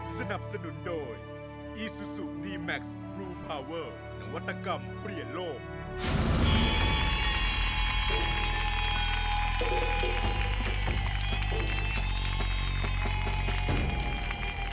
สนับสนุนโดยอีซูซูดีแม็กซ์บลูพาเวอร์นวัตกรรมเปลี่ยนโลก